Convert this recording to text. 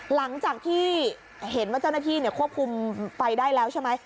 หลังจากที่เห็นว่าเจ้าหน้าที่ควบคุมไฟได้แล้วใช่ไหม